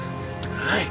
はい！